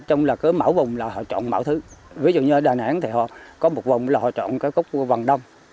trong là cứ mẫu vùng là họ chọn mẫu thứ ví dụ như ở đà nẵng thì họ có một vùng là họ chọn cốc vằn đông